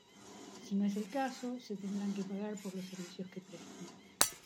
Si no es el caso, se tendrán que pagar por los servicios que preste.